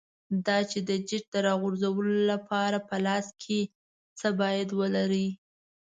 دا چې د جیټ د راغورځولو لپاره په لاس کې څه باید ولرې.